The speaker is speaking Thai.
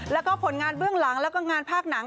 แล้วก็ผลงานเบื้องหลังแล้วก็งานภาคหนัง